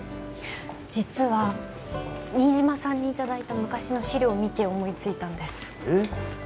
実は新島さんにいただいた昔の資料を見て思いついたんですえっ？